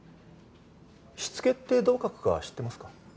「しつけ」ってどう書くか知ってますか？